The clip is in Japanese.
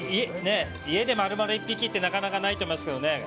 家で丸々１匹ってなかなかないと思いますけどね